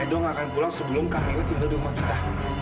edo gak akan pulang sebelum kamila tinggal di rumah kita